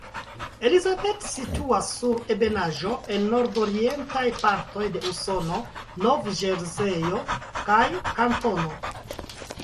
Elizabeth situas sur ebenaĵo en nordorientaj partoj de Usono, Nov-Ĵerzejo kaj kantono.